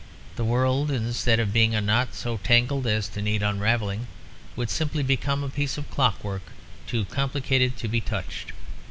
The world instead of being a knot so tangled as to need unravelling, would simply become a piece of clockwork too complicated to be touched.